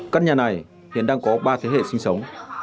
căn nhà này hiện đang có ba thế hệ sinh sống